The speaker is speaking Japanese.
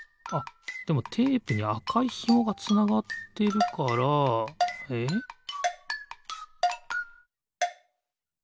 あっでもテープにあかいひもがつながってるからえっ？